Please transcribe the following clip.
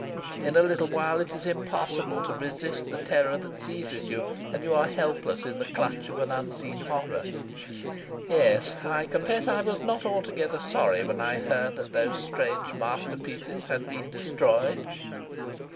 In a little while it is impossible to resist the terror that seizes you, and you are helpless in the clutch of an unseen horror. Yes; I confess I was not altogether sorry when I heard that those strange masterpieces had been destroyed."